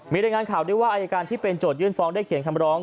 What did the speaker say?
มีรายงานข่าวด้วยว่าอายการที่เป็นโจทยื่นฟ้องได้เขียนคำร้อง